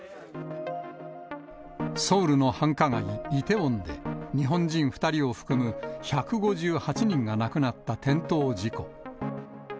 ソウルの繁華街、イテウォンで、日本人２人を含む１５８人が亡くなった転倒事故。